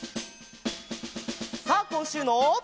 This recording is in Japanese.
さあこんしゅうの。